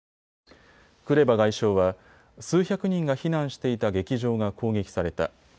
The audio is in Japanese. クレバ外相は数百人が避難していた劇場が攻撃された。